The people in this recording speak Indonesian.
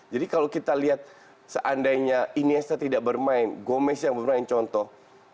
jadi kalau kita lihat seandainya iniesta tidak bermain gomez yang bermain contoh